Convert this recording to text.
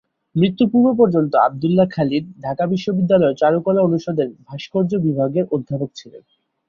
মৃত্যুর পূর্ব পর্যন্ত আবদুল্লাহ খালিদ ঢাকা বিশ্ববিদ্যালয়ের চারুকলা অনুষদের ভাস্কর্য বিভাগের অধ্যাপক ছিলেন।